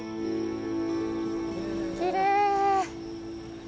きれい！